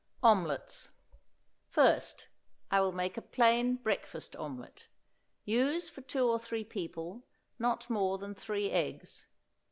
OMELETTES. First, I will make a plain breakfast omelette. Use for two or three people not more than three eggs.